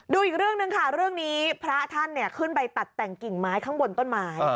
ดูอีกเรื่องหนึ่งค่ะเรื่องนี้พระท่านขึ้นไปตัดแต่งกิ่งไม้ข้างบนต้นไม้